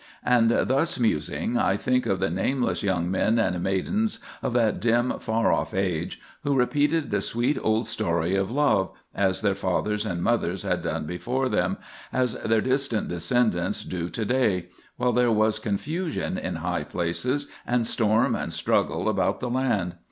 And thus, musing, I think of the nameless young men and maidens of that dim, far off age, who repeated the sweet old story of love, as their fathers and mothers had done before them, as their distant descendants do to day, while there was confusion in high places, and storm and struggle about the land.